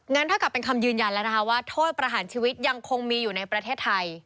เท่ากับเป็นคำยืนยันแล้วนะคะว่าโทษประหารชีวิตยังคงมีอยู่ในประเทศไทย